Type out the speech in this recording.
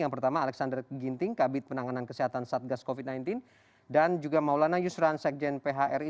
yang pertama alexander ginting kabit penanganan kesehatan satgas covid sembilan belas dan juga maulana yusran sekjen phri